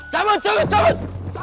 cabut cabut cabut